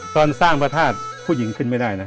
ตอนสร้างพระธาตุผู้หญิงขึ้นไม่ได้นะ